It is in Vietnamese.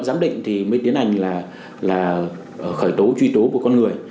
giám định thì mới tiến hành là khởi tố truy tố một con người